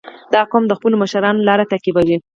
• دا قوم د خپلو مشرانو لار تعقیبوي.